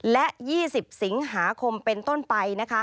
และ๒๐สิงหาคมเป็นต้นไป